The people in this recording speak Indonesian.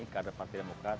ketua partai demokrat